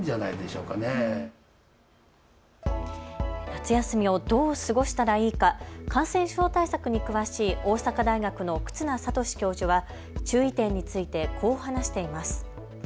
夏休みをどう過ごしたらいいか、感染症対策に詳しい大阪大学の忽那賢志教授は注意点についてこう話しています。